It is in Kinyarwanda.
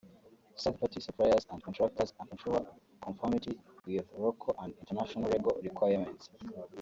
Third Party Suppliers and Contractors and ensure conformity with local and international legal requirements